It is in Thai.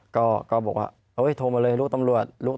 ก็บอกว่าโทรมาเลยลูกตำรวจ